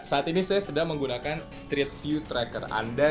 saat ini saya sedang menggunakan street view tracker anda